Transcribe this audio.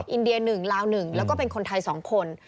อินเดียหนึ่งลาวหนึ่งแล้วก็เป็นคนไทยสองคน